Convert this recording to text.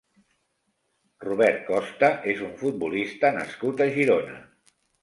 Robert Costa és un futbolista nascut a Girona.